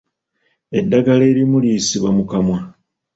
Eddagala erimu liyisibwa mu kamwa.